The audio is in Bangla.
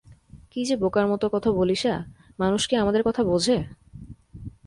কী যে বোকার মতো কথা বলিসা মানুষ কি আমাদের কথা বোঝে?